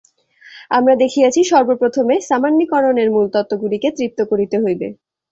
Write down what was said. আমরা দেখিয়াছি, সর্বপ্রথমে সামান্যীকরণের মূলতত্ত্বগুলিকে তৃপ্ত করিতে হইবে।